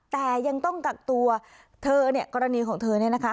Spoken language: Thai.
แต่ยังต้องกักตัวเธอเนี่ยกรณีของเธอเนี่ยนะคะ